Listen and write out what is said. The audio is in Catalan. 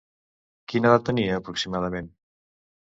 Quina edat tenia aproximadament?